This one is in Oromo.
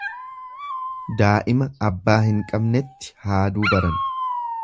Daa'ima abbaa hin qabnetti haaduu baran.